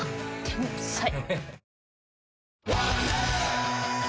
天才！